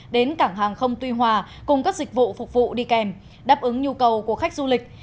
đến cảng hàng không tuy hòa cùng các dịch vụ phục vụ đi kèm đáp ứng nhu cầu của khách du lịch